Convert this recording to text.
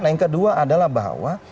nah yang kedua adalah bahwa